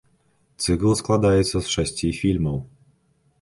Цыкл складаецца з шасці фільмаў.